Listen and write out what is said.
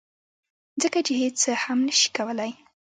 ځکه چې هیڅ څه هم نشي کولی